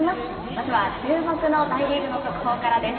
まずは注目の大リーグの速報からです。